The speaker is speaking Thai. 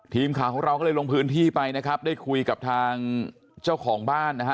ทีมข่าวของเราก็เลยลงพื้นที่ไปนะครับได้คุยกับทางเจ้าของบ้านนะฮะ